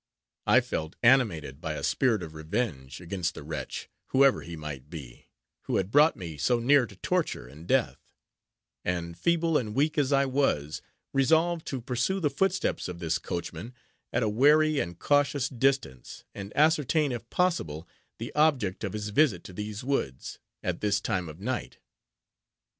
I felt animated, by a spirit of revenge, against the wretch, whoever he might be, who had brought me so near to torture and death; and feeble and weak as I was, resolved to pursue the foot steps of this coachman, at a wary and cautious distance, and ascertain, if possible, the object of his visit to these woods, at this time of night.